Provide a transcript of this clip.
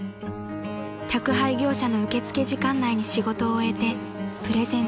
［宅配業者の受付時間内に仕事を終えてプレゼントを送れるか］